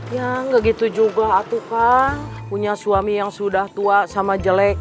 ya gak gitu juga aku kan punya suami yang sudah tua sama jelek